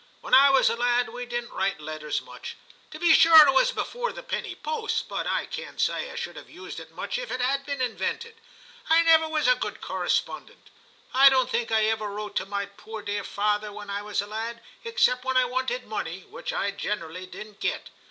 When I was a lad we didn't write letters much. To be sure, it was before the penny post ; but I can't say I should have used it much if it had been invented. I never was a good correspondent ; I don't think I ever wrote to my poor dear father when I was a lad except when I wanted money, which I generally didn't get.